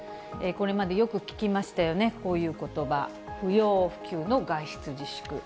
これまでよく聞きましたよね、こういうことば、不要不急の外出自粛。